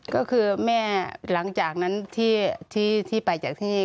ก็คือแม่หลังจากนั้นที่ไปจากที่